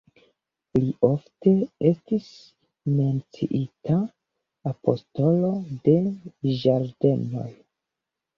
Li ofte estis menciita "apostolo de ĝardenoj.